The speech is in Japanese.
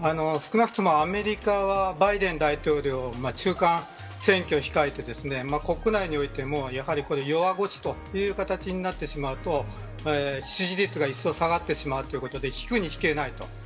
少なくともアメリカはバイデン大統領中間選挙を控えていて国内においてもやはり弱腰という形になってしまうと支持率がいっそう下がってしまうということで、引くに引けない。